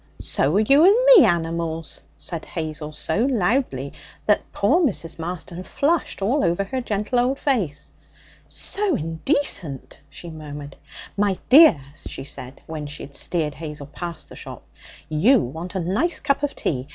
'So're you and me animals!' said Hazel so loudly that poor Mrs. Marston flushed all over her gentle old face. 'So indecent!' she murmured. 'My dear,' she said, when she had steered Hazel past the shop, 'you want a nice cup of tea.